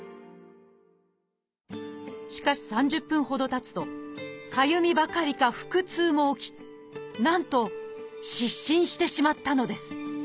しかし３０分ほどたつとかゆみばかりか腹痛も起きなんと失神してしまったのです。